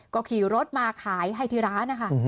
ก็ขี่รถมาขายให้ที่ร้านนะคะ